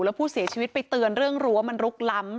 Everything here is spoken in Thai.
แล้วผู้เสียชีวิตไปเตือนเรื่องรั้วมันลุกล้ำ